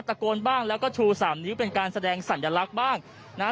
ตะโกนบ้างแล้วก็ชูสามนิ้วเป็นการแสดงสัญลักษณ์บ้างนะฮะ